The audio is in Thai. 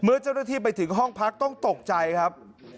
เจ้าหน้าที่ไปถึงห้องพักต้องตกใจครับ